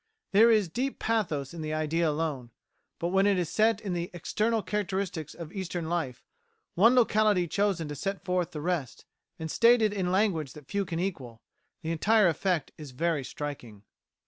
There is deep pathos in the idea alone; but when it is set in the external characteristics of Eastern life, one locality chosen to set forth the rest, and stated in language that few can equal, the entire effect is very striking.